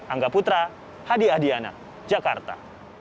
angga putra hadi ahdiana jakarta